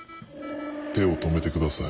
手を止めてください。